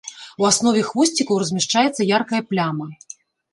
У аснове хвосцікаў размяшчаецца яркая пляма.